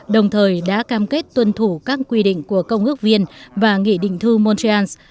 đồng thời đã cam kết tuân thủ các quy định của công ước viên và nghị định thư montreal